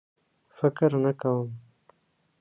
فکر نه کوم.